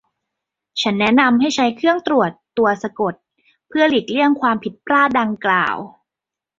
ฉันแนะนำให้ใช้เครื่องตรวจตัวสะกดเพื่อหลีกเลี่ยงความผิดพลาดดังกล่าว